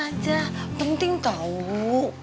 gak ada yang penting tau